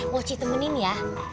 mau citemenin ya